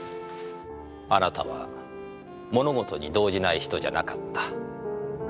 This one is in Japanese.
あなたは物事に動じない人じゃなかった。